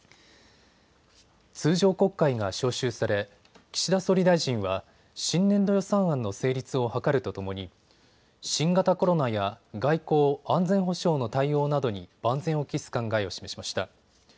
通常国会が召集され岸田総理大臣は新年度予算案の成立を図るとともに新型コロナや外交・安全保障の対応などに万全を期す考えを示しました。